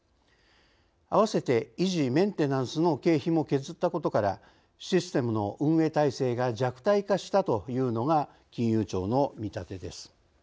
併せて維持メンテナンスの経費も削ったことからシステムの運営態勢が弱体化したというのが金融庁の見立てです。